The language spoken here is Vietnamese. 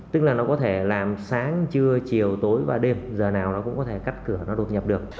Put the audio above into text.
tức là nó có thể làm sáng trưa chiều tối và đêm giờ nào nó cũng có thể cắt cửa nó đột nhập được